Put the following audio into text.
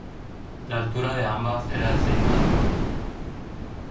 La altura de ambas era de seis metros.